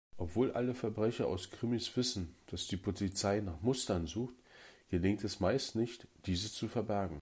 Obwohl alle Verbrecher aus Krimis wissen, dass die Polizei nach Mustern sucht, gelingt es meist nicht, diese zu verbergen.